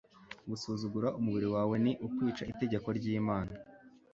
gususugura umubiri wawe ni ukwica itegeko ry'imana